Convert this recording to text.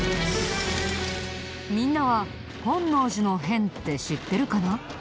みんなは本能寺の変って知ってるかな？